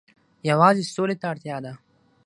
یوازې سولې ته اړتیا ده.